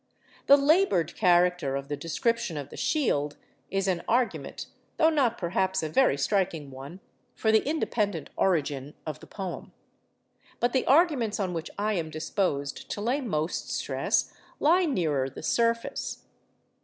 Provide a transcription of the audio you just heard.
The laboured character of the description of the shield is an argument—though not, perhaps, a very striking one—for the independent origin of the poem. But the arguments on which I am disposed to lay most stress lie nearer the surface.